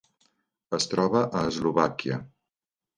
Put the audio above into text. Es troba a Eslovàquia.